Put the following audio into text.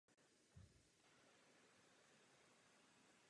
Jaké jsou sociální podmínky pracovníků?